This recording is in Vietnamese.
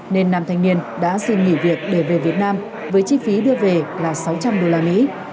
nên nam thanh niên đã xin nghỉ việc để về việt nam với chi phí đưa về là sáu trăm linh đô la mỹ